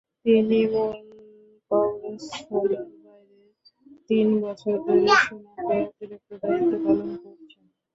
তিনি মূল কর্মস্থলের বাইরে তিন বছর ধরে সোনারগাঁয়ে অতিরিক্ত দায়িত্ব পালন করছেন।